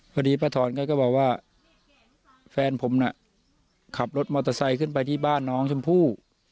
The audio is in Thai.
พอดีป้าถอนเขาก็บอกว่าแฟนผมน่ะขับรถมอเตอร์ไซค์ขึ้นไปที่บ้านน้องชมพู่